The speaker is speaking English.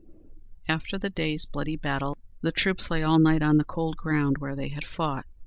After the day's bloody battle, the troops lay all night on the cold ground where they had fought.